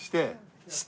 して？